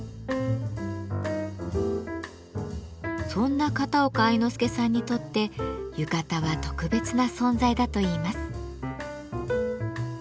そんな片岡愛之助さんにとって浴衣は特別な存在だといいます。